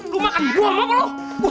lu makan buang apa lu